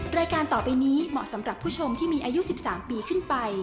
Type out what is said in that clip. รายการต่อไปนี้เหมาะสำหรับผู้ชมที่มีอายุ๑๓ปีขึ้นไป